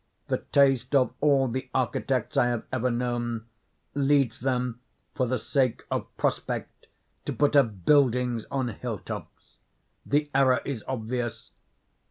The taste of all the architects I have ever known leads them, for the sake of 'prospect,' to put up buildings on hill tops. The error is obvious.